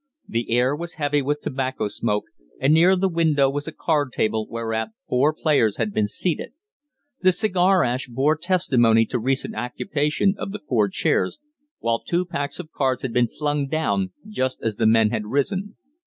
The air was heavy with tobacco smoke, and near the window was a card table whereat four players had been seated. The cigar ash bore testimony to recent occupation of the four chairs, while two packs of cards had been flung down just as the men had risen.